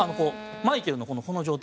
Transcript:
マイケルの、この状態。